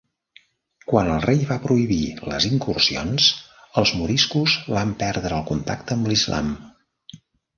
Quan el rei va prohibir les incursions, els moriscos van perdre el contacte amb l"islam.